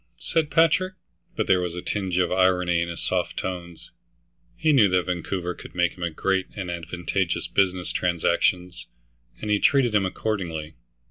said Patrick. But there was a tinge of irony in his soft tones. He knew that Vancouver could make him great and advantageous business transactions, and he treated him accordingly.